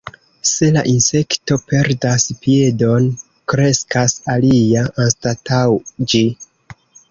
Se la insekto perdas piedon, kreskas alia anstataŭ ĝi.